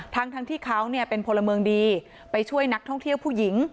ทั้งที่เขาเป็นพลเมืองดีไปช่วยนักท่องเที่ยวผู้หญิง